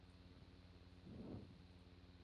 Está prácticamente cubierta de bosque.